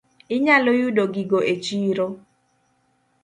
Inyalo yudo gigo e chiro.